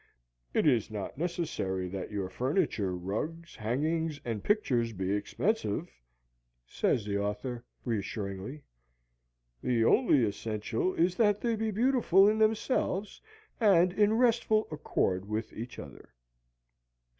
"It is not necessary that your furniture, rugs, hangings, and pictures be expensive," says the author, reassuringly. "The only essential is that they be beautiful in themselves and in restful accord with each other."